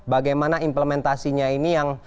bagaimana implementasinya ini yang